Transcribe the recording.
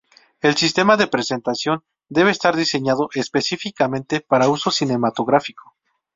El sistema de presentación debe estar diseñado específicamente para uso cinematográfico.